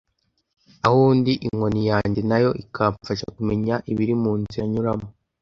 Aho ndi inkoni yanjye na yo ikamfasha kumenya ibiri mu nzira nyuramo